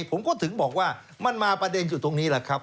ผมก็ถึงบอกว่ามันมาประเด็นอยู่ตรงนี้แหละครับ